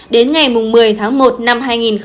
đến ngày một mươi tháng một năm hai nghìn hai mươi